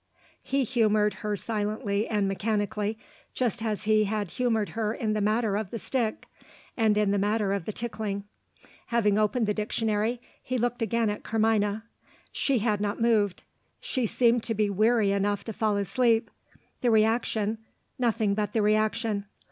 He humoured her silently and mechanically just as he had humoured her in the matter of the stick, and in the matter of the tickling. Having opened the dictionary, he looked again at Carmina. She had not moved; she seemed to be weary enough to fall asleep. The reaction nothing but the reaction.